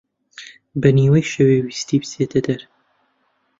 بە نیوەی شەوێ ویستی بچێتە دەر